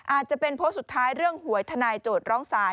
อาจจะเป็นโพสต์สุดท้ายเรื่องหวยทนายโจทย์ร้องศาล